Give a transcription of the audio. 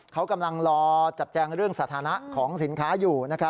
เขากำลังรอจัดแจงเรื่องสถานะของสินค้าอยู่